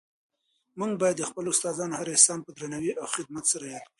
موږ باید د خپلو استادانو هر احسان په درناوي او خدمت سره یاد کړو.